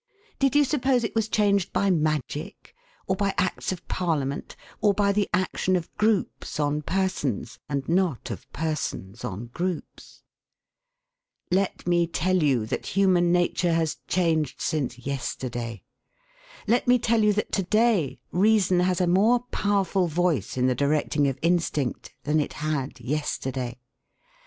Did you suppose it was changed by magic, or by Acts of Parliament, or by the action of groups on persons, and not of persons on groups? Let me tell you that human nature has changed since yesterday. Let me tell you that to day reason has a more powerful voice in the directing of instinct than it had yesterday.